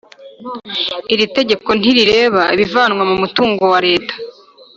Iri tegeko ntirireba ibivanwa mu mutungo wa Leta